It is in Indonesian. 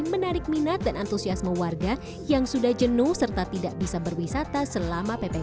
menarik minat dan antusiasme warga yang sudah jenuh serta tidak bisa berwisata selama ppkm